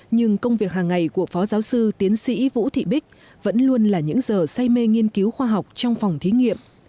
nhưng công việc hàng ngày của phó giáo sư tiến sĩ vũ thị bích vẫn luôn là những giờ say mê nghiên cứu khoa học trong phòng thí nghiệm